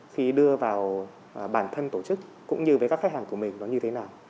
khi đưa vào bản thân tổ chức cũng như với các khách hàng của mình nó như thế nào